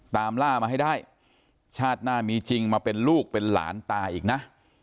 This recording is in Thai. ตามล่ามาให้ได้ชาติหน้ามีจริงมาเป็นลูกเป็นหลานตาอีกนะ